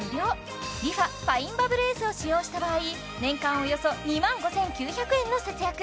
ファインバブルＳを使用した場合年間およそ２万５９００円の節約